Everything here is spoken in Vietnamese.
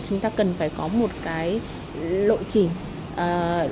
chúng ta cần phải có một cái lộ trình